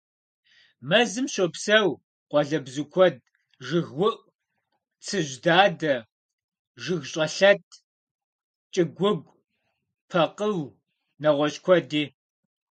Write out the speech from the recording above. Мэзым щопсэу къуалэбзу куэд: жыгыуӀу, цӀыжьдадэ, жыгщӀэлъэт, кӀыгуугу, пэкъыу, нэгъуэщӀ куэди.